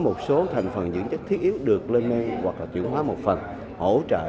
một số thành phần dưỡng chất thiết yếu được lên men hoặc là chuyển hóa một phần hỗ trợ